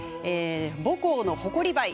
母校の誇りばい！